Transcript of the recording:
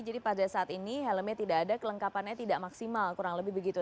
jadi pada saat ini helmnya tidak ada kelengkapannya tidak maksimal kurang lebih begitu